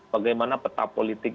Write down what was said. bagaimana peta politik